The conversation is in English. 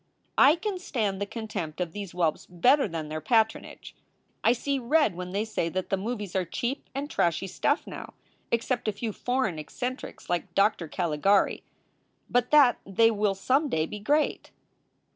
"I can stand the contempt of these whelps better than their patronage. I see red when they say that the movies are cheap and trashy stuff now, except a few foreign eccentrics like Doctor Caligari, but that they will some day be great.